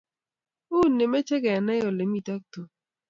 Uni meche kenai ole mito Tom